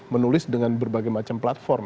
menulis dengan berbagai macam platform